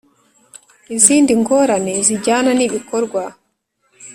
izindi ngorane zijyana n ibikorwa